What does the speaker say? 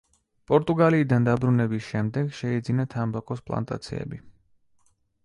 პორტუგალიიდან დაბრუნების შემდეგ შეიძინა თამბაქოს პლანტაციები.